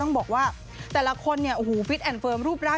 ต้องบอกว่าแต่ละคนฟิตแอนด์เฟิร์มรูปร่าง